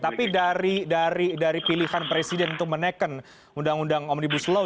tapi dari pilihan presiden untuk menaikkan undang undang omnibus law